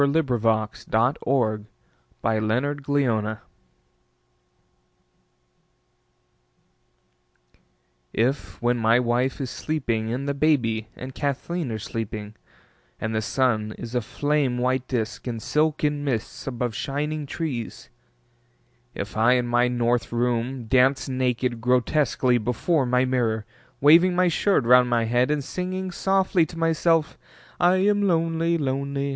William Carlos Williams Danse Russe IF when my wife is sleeping and the baby and Kathleen are sleeping and the sun is a flame white disc in silken mists above shining trees, if I in my north room dance naked, grotesquely before my mirror waving my shirt round my head and singing softly to myself: "I am lonely, lonely.